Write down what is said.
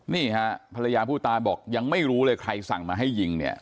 นี่ฮะภรรยาผู้ตายบอกยังไม่รู้เลยใครสั่งมาให้ยิงเนี่ย